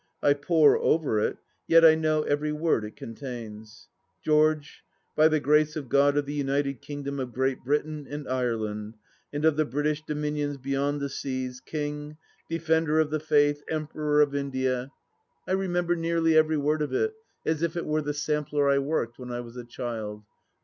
I pore over it, yet I know every word it contains. ..." GEORGE, by the grace of God of the United Kingdom of Great Britain and Ireland and of the British Dominions beyond the Seas, King ... Defender of the Faith, Emperor of India. ..." THE LAST DITCH 809 remember nearly every word of it, as if it were the sampler I worked when I was a child.